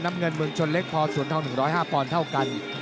น้ำเงินเมืองชนเล็กพอสวนทอง๑๐๕ปอนด์เท่ากัน